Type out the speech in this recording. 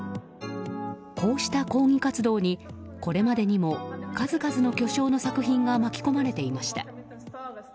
こうした抗議活動にこれまでにも数々の巨匠の作品が巻き込まれていました。